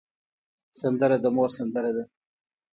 سندره د مور سندره ده